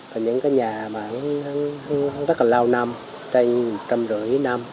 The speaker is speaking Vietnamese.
và những cái nhà mà nó rất là lao năm tên trăm rưỡi năm